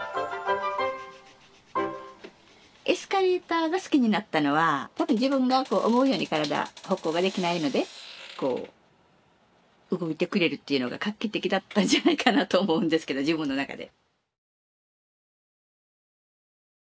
エスカレーターが好きになったのは多分自分がこう思うように体歩行ができないのでこう動いてくれるっていうのが画期的だったんじゃないかなと思うんですけど自分の中で。